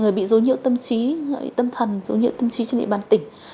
người bị dối nhiễu tâm trí người bị tâm thần dối nhiễu tâm trí trên địa bàn tỉnh